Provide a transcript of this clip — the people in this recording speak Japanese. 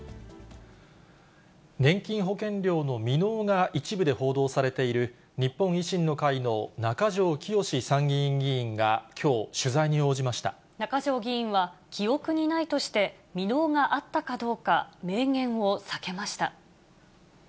年金保険料の未納が一部で報道されている、日本維新の会の中条きよし参議院議員が、きょう、中条議員は、記憶にないとして、未納があったかどうか明言を避けました。